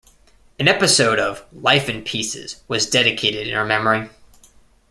An episode of "Life in Pieces" was dedicated in her memory.